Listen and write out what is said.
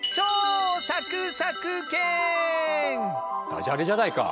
ダジャレじゃないか。